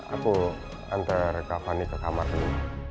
aku antar kak fani ke kamar dulu